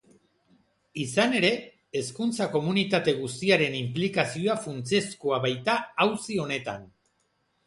Izan ere, hezkuntza komunitate guztiaren inplikazioa funtsezkoa baita auzi honetan.